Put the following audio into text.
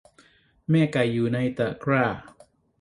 แม่ไก่อยู่ในตะกร้า